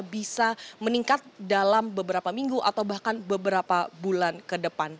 bisa meningkat dalam beberapa minggu atau bahkan beberapa bulan ke depan